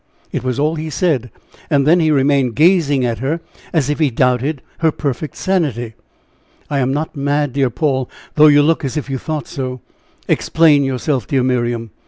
It was all he said, and then he remained gazing at her, as if he doubted her perfect sanity. "I am not mad, dear Paul, though you look as if you thought so." "Explain yourself, dear Miriam."